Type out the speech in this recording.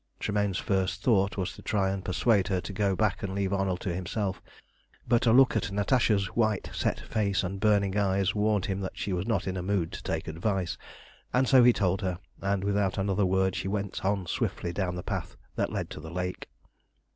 Tremayne's first thought was to try and persuade her to go back and leave Arnold to himself, but a look at Natasha's white set face and burning eyes warned him that she was not in a mood to take advice, and so he told her, and without another word she went on swiftly down the path that led to the lake.